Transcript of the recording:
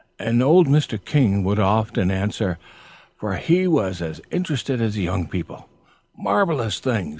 And old Mr. King would often answer, for he was as interested as the young people, "Marvellous things."